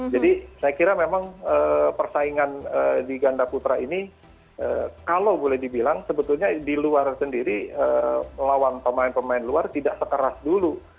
jadi saya kira memang persaingan di ganda putra ini kalau boleh dibilang sebetulnya di luar sendiri lawan pemain pemain luar tidak sekeras dulu